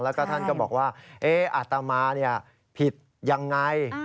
แล้วก็ท่านก็บอกว่าอาตมาผิดยังไง